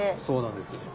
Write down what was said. そうなんです。